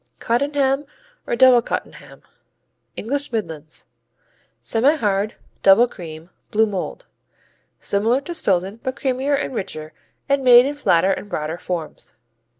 Cottenham or Double Cottenham English Midlands Semihard; double cream; blue mold. Similar to Stilton but creamier and richer, and made in flatter and broader forms.